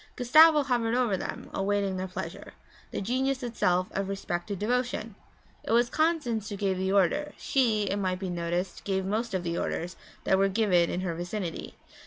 Gustavo hovered over them, awaiting their pleasure, the genius itself of respectful devotion. It was Constance who gave the order she, it might be noticed, gave most of the orders that were given in her vicinity.